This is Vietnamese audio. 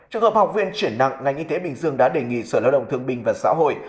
trường hợp học viên chuyển nặng ngành y tế bình dương đã đề nghị sở lao động thương bình và xã hội